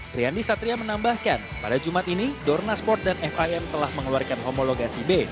priyandi satria menambahkan pada jumat ini dornasport dan fim telah mengeluarkan homologasi b